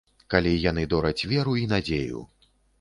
Калі яны дораць веру і надзею.